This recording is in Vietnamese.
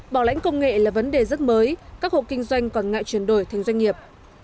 bảo lãnh công nghệ là vấn đề rất mới các hộ kinh doanh còn ngại chuyển đổi thành doanh nghiệp